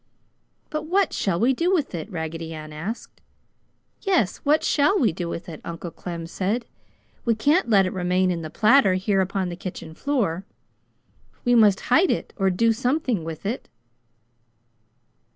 "But what shall we do with it?" Raggedy Ann asked. "Yes, what shall we do with it!" Uncle Clem said. "We can't let it remain in the platter here upon the kitchen floor! We must hide it, or do something with it!"